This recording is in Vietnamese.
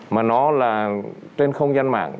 mà nó là trên không gian mạng